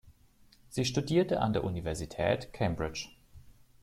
Sie studierte an der Universität Cambridge.